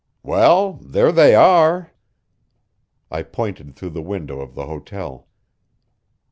"Well there they are." I pointed through the window of the hotel.